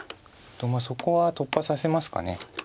そこは突破させますか。